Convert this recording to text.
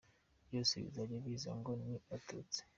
Byose bizajya biza ngo ni abatutsi?